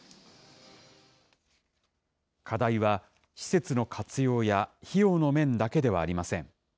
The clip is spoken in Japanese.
課題は施設の活用や、費用の面だけではありません。